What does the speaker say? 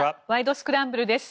スクランブル」です。